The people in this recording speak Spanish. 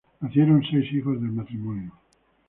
Nacieron seis hijos del matrimonio.